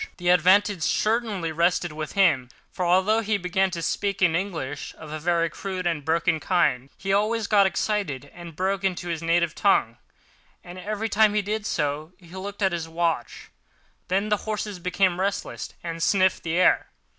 The advantage certainly rested with him, for although he began to speak in English, of a very crude and broken kind, he always got excited and broke into his native tongue—and every time he did so, he looked at his watch. Then the horses became restless and sniffed the air.